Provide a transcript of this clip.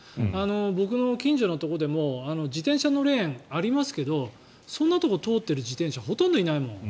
僕の近所のところでも自転車のレーンありますけどそんなところ通っている自転車ほとんどいないもん。